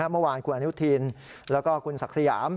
เมื่อวานคุณอนุทินแล้วก็คุณศักดิ์สยาม